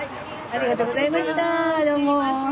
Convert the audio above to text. ありがとうございます。